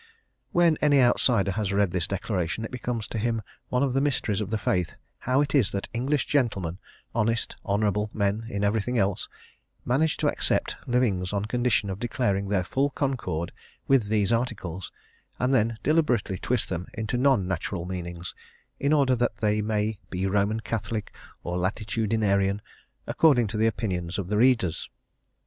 When any outsider has read this declaration it becomes to him one of the mysteries of the faith how it is that English gentlemen, honest, honourable men in everything else, manage to accept livings on condition of declaring their full concord with these Articles, and then deliberately twist them into non natural meanings, in order that they may be Roman Catholic or Latitudinarian, according to the opinions of the readers.